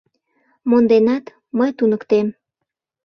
Монденат, мый туныктем.